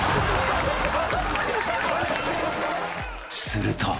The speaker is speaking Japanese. ［すると］